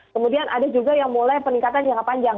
kemudian ada juga yang mulai peningkatan jangka panjang